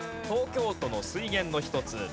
東京都の水源の一つ。